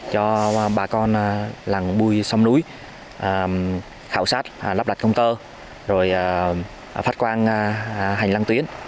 cho bà con lằn bùi sông núi khảo sát lắp đặt công tơ rồi phát quan hành lăng tuyến